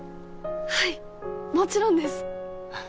はいもちろんです。